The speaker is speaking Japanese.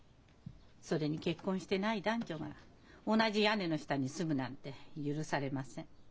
それに結婚してない男女が同じ屋根の下に住むなんて許されません。